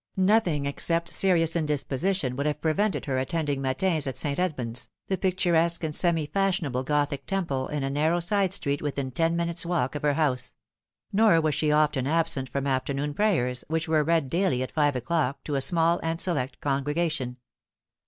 "Nothing except serious indisposition would have prevented her attending matins at St. Edmund's, the picturesque and semi fashionable Gothic temple in a narrow side street within ten minutes' walk of her house ; nor was she often absent from afternoon prayers, which were read daily at five o'clock to a small and select con gregation.